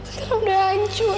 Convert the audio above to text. sekarang udah hancur